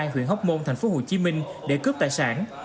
huyện hóc môn tp hcm để cướp tài sản